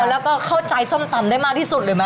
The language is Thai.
แล้วก็เข้าใจส้มตำได้มากที่สุดเลยไหม